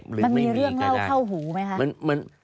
มันมีเรื่องเล่าเข้าหูไหมคะ